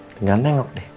tinggal nengok deh